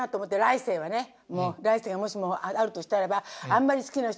来世がもしもあるとしたらばあんまり好きな人と。